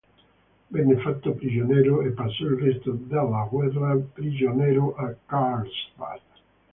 Venne fatto prigioniero e passò il resto della guerra prigioniero a Karlsbad.